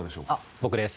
僕です。